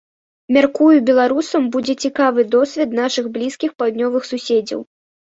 Мяркую беларусам будзе цікавы досвед нашых блізкіх паўднёвых суседзяў.